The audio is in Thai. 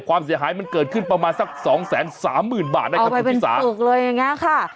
ความเสียหายมันเกิดขึ้นประมาณสักสองแสนสามหมื่นบาทได้ครับคุณชิสาถูกเลยอย่างเงี้ยค่ะ